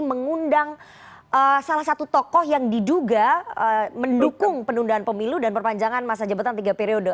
mengundang salah satu tokoh yang diduga mendukung penundaan pemilu dan perpanjangan masa jabatan tiga periode